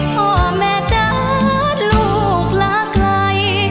พ่อแม่จัดลูกลาไกล